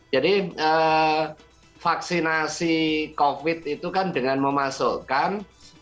jadi vaksinasi covid itu kan dengan memasukkan